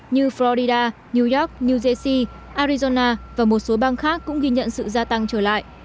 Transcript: như florida new york new jersey arizona và một số bang khác cũng ghi nhận sự gia tăng trở lại